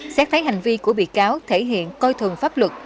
xét thấy hành vi của bị cáo thể hiện coi thường pháp luật